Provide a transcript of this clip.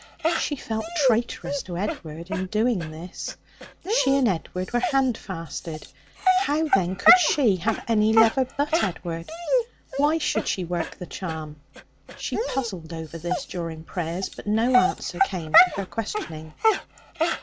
She felt traitorous to Edward in doing this. She and Edward were handfasted. How, then, could she have any lover but Edward? Why should she work the charm? She puzzled over this during prayers, but no answer came to her questioning.